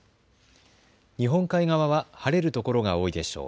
日本海側は晴れる所が多いでしょう。